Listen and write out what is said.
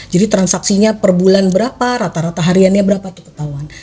jadi transaksinya perbulan berapa rata rata hariannya berapa tuh ketahuan